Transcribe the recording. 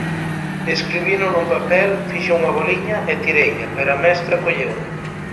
Escribino nun papel, fixen unha boliña e tireilla, pero a mestra colleuna.